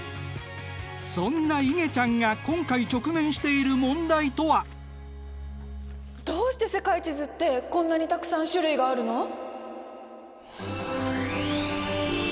そんないげちゃんが今回直面している問題とは？どうして世界地図ってこんなにたくさん種類があるの！？